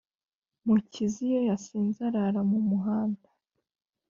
mukiza iyo yasinze arara mu muhanda